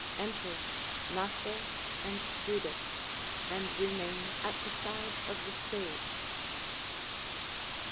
[_Enter Macer and Judas, and remain at the side of the stage.